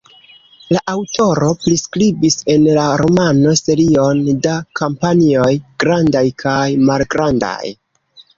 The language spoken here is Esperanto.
La aŭtoro priskribis en la romano serion da kampanjoj grandaj kaj malgrandaj.